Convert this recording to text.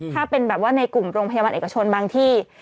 ถ้าเป็นแบบว่าในกลุ่มโรงพยาบาลเอกชนบางที่